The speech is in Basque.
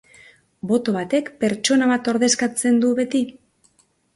Boto batek pertsona bat ordezkatzen du beti?